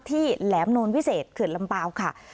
ที่แหลมโน้นวิเศษเครือลำเปล่าค่ะ